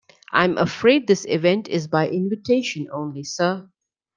I'm afraid this event is by invitation only, sir.